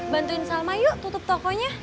bantuin salma yuk tutup tokonya